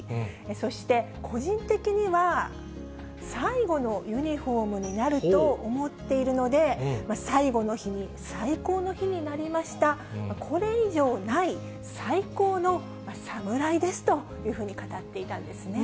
そして、個人的には、最後のユニホームになると思っているので、最後の日に最高の日になりました、これ以上ない最高の侍ですというふうに語っていたんですね。